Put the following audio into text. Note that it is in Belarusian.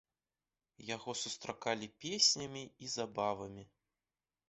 Яго сустракалі песнямі і забавамі.